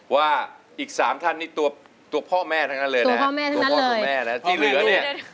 ว่าอีก๓ท่านตัวพ่อแม่ทั้งนั้นเลยนะที่เหลือเนี่ย